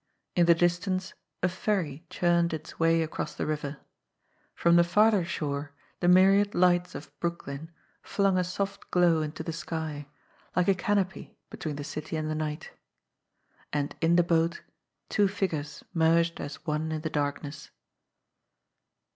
In the distance a ferry churned its way across the river. From the farther shore the myriad lights of Brooklyn flung a soft glow into the sky, like a canopy between the city and the night. And in the boat two figures merged as one in the darkness.